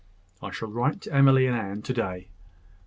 I shall write to Emily and Anne to day."